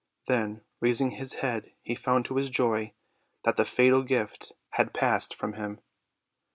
Then, rais ing his head, he found to his joy that the fatal gift had passed from him.